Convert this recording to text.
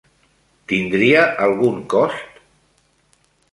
Tindria algun cost?